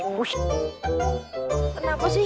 eh kenapa sih